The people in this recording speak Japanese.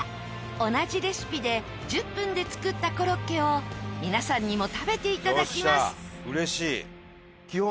同じレシピで１０分で作ったコロッケを皆さんにも食べていただきます。